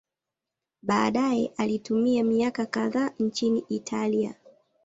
Baadaye alitumia miaka kadhaa nchini Italia.